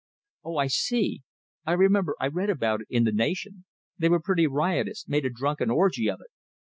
"Oh, I see! I remember I read about it in the 'Nation.' They were pretty riotous made a drunken orgy of it."